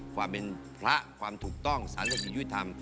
ความเป็นพระความถูกต้องสารคดียุทธรรม